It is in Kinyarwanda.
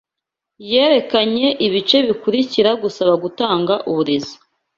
yerekanye ibice bikurikira Gusaba gutanga uburezi